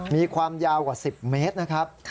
มีความยาวกว่า๑๐เมตรนะครับ